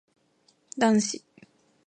男子